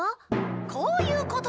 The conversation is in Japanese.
こういうこと！